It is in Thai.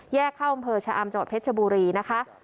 แยกเข้าอำเภอชะอำจอดเพชรบุรีนะคะ